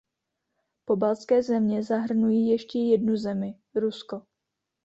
Pobaltské země zahrnují ještě jednu zemi, Rusko.